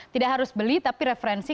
tidak harus beli tapi referensi